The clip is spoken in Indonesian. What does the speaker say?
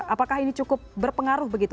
apakah ini cukup berpengaruh begitu